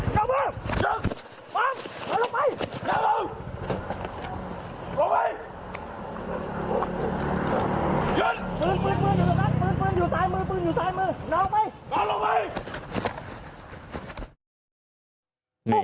หาปืนก่อนหาปืนก่อน